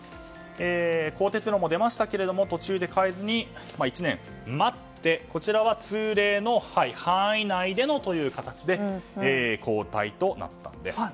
更迭論も出ましたが途中で変えずに１年待って、こちらは通例の範囲内でのという形で交代となったんです。